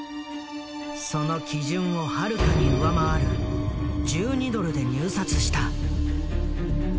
その基準をはるかに上回る１２ドルで入札した。